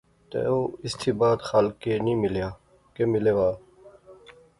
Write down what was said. تے او اس تھی بعد خالقے نی ملیا، کہہ ملے وہا